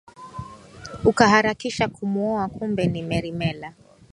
Ukaharakisha kumuoa kumbe ni Merimela.